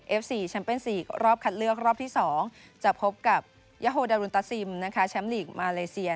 เอฟซีแชมเป้นซีรอบคัดเลือกรอบที่สองจะพบกับยาโฮดารูนตาซิมาลีเซีย